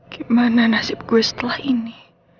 gimana nasib gue setelah ini